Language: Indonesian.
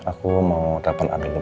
aku mau telepon anu dulu ya